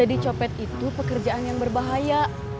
dicopet itu pekerjaan yang berbahaya